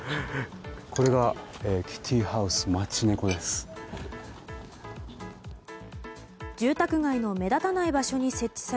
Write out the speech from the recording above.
これがキティーハウス街猫です。